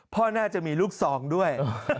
พ่อน่าจะมีลูกซองด้วย